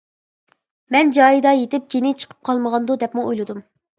مەن جايىدا يېتىپ جېنى چىقىپ قالمىغاندۇ دەپمۇ ئويلىدىم.